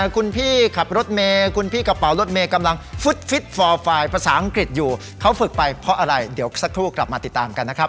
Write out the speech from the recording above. คุณพี่ขับรถเมย์คุณพี่กระเป๋ารถเมย์กำลังฟุตฟิตฟอร์ไฟล์ภาษาอังกฤษอยู่เขาฝึกไปเพราะอะไรเดี๋ยวสักครู่กลับมาติดตามกันนะครับ